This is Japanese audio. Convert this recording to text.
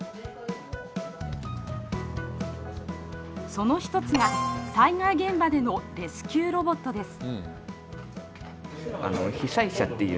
その一つが災害現場でのレスキューロボットです。